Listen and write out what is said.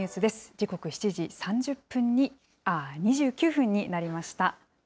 時刻７時２９分になりました。